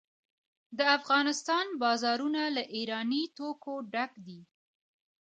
د افغانستان بازارونه له ایراني توکو ډک دي.